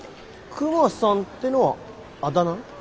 クマさんってのはあだ名？